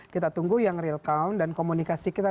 kita tunggu yang real count dan komunikasi kita